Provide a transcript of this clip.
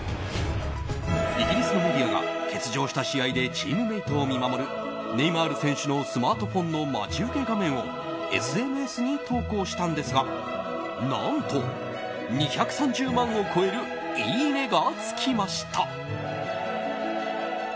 イギリスのメディアが欠場した試合でチームメイトを見守るネイマール選手のスマートフォンの待ち受け画面をＳＮＳに投稿したんですが何と２３０万を超えるいいねがつきました。